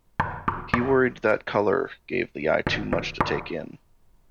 He worried that color gave the eye too much to take in.